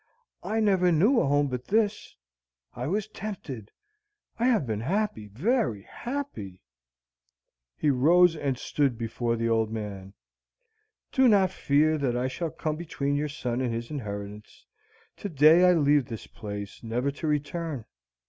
I never knew a home but this. I was tempted. I have been happy, very happy." He rose and stood before the old man. "Do not fear that I shall come between your son and his inheritance. To day I leave this place, never to return.